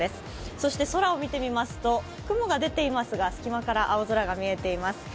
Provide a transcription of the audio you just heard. そして空を見てみますと雲が出ていますが隙間から青空が見えています。